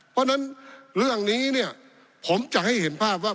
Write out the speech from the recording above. เพราะฉะนั้นเรื่องนี้เนี่ยผมจะให้เห็นภาพว่า